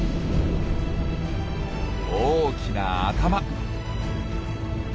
大きな頭。